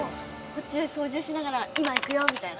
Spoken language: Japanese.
◆こっちで操縦しながら今行くよみたいな。